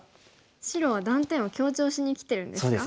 白は断点を強調しにきてるんですか？